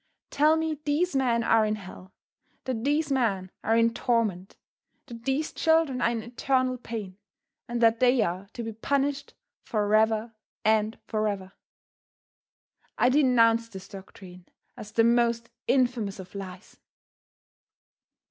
Tell me these men are in hell; that these men are in torment; that these children are in eternal pain, and that they are to be punished forever and forever! I denounce this doctrine as the most infamous of lies.